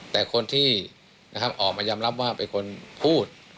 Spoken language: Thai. แต่คนที่ออกมายอมรับว่าเป็นคนพูด